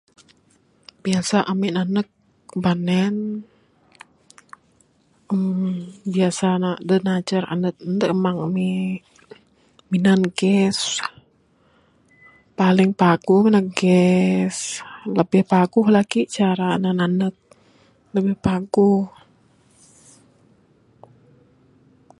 Biasa ami nanek banen uhh biasa ne dak najar ande amang ami minan gas paling paguh minan gas. Lebih paguh lagi cara ne nanek lebih paguh.